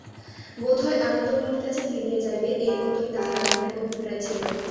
বোধ হয় আনন্দময়ীর কাছে ফিরিয়া যাইবে এইমতোই তাহার মনের অভিপ্রায় ছিল।